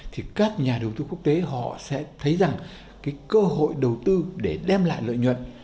thì các nhà đầu tư quốc tế họ sẽ thấy rằng cái cơ hội đầu tư để đem lại lợi nhuận